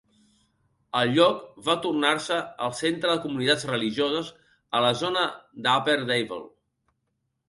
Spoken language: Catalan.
El lloc va tornar-se el centre de comunitats religioses a la zona de Upper Davle.